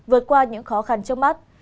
vượt qua những khó khăn trước mắt